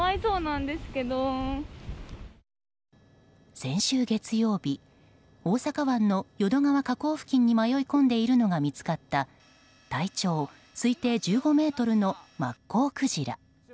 先週月曜日大阪湾の淀川河口付近に迷い込んでいるのが見つかった体長推定１５ｍのマッコウクジラ。